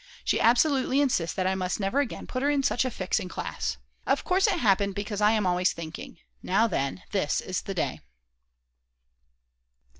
She absolutely insists that I must never again put her in such a fix in class. Of course it happened because I am always thinking: Now then, this is the day.